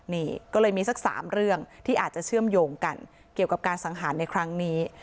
นี่ก็เลยมีสัก๓เรื่องที่อาจจะเชื่อมโยงกันเกี่ยวกับการสังหารในครั้งนี้